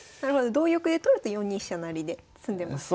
同玉で取ると４二飛車成で詰んでますね。